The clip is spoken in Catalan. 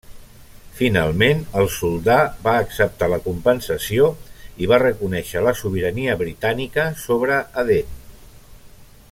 Finalment, el soldà va acceptar la compensació i va reconèixer la sobirania britànica sobre Aden.